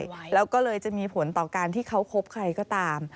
ใช่แล้วก็เลยจะมีผลต่อการที่เขาคบใครก็ตาม